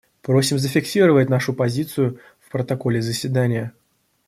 Просим зафиксировать нашу позицию в протоколе заседания.